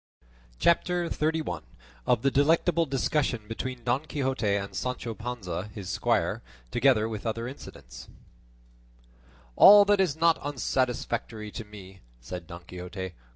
CHAPTER XXXI. OF THE DELECTABLE DISCUSSION BETWEEN DON QUIXOTE AND SANCHO PANZA, HIS SQUIRE, TOGETHER WITH OTHER INCIDENTS "All that is not unsatisfactory to me," said Don Quixote.